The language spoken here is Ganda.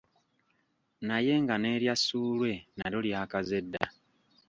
Naye nga n'erya ssuulwe nalyo lyakaze dda.